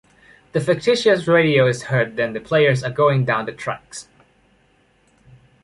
The fictitious radio is heard then the players are going down the tracks.